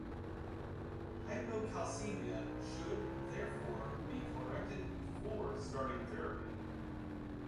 Hypocalcemia should, therefore, be corrected before starting therapy.